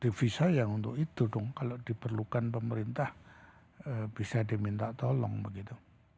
divisa ya untuk itu dong kalau diperlukan pemerintah bisa diminta tolong begitu